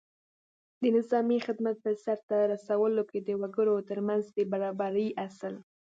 د نظامي خدمت په سرته رسولو کې د وګړو تر منځ د برابرۍ اصل